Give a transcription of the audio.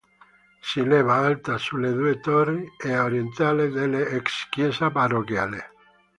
Si leva, alta sulle due torri, ad oriente della ex chiesa parrocchiale.